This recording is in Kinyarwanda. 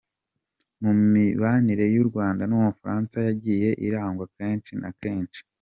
Mu mibanire y’u Rwanda n’Ubufransa yagiye irangwa kenshi na kenshi